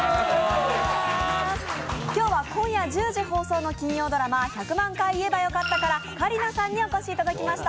今日は今夜１０時放送の金曜ドラマ「１００万回言えばよかった」から香里奈さんにお越しいただきました。